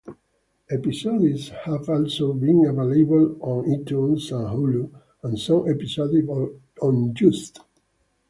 Episodes have also been available on iTunes and Hulu and some episodes on Joost.